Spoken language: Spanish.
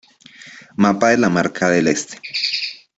Mapa de la Marca del Este